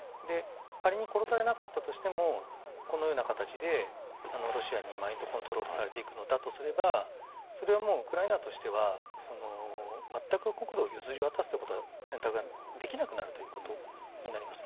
仮に殺されなかったとしてもこのような形でロシアにマインドコントロールされていくのだとすればそれはウクライナとしては全く国土を譲り渡すという選択ができなくなることになります。